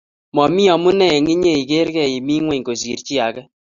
mami amune eng inye igergei imi ingweny kosir chi age